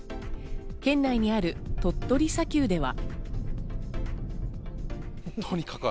県内にある鳥取砂丘では。